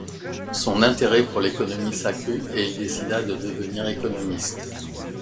Son intérêt pour l'économie s'accrut et il décida de devenir économiste.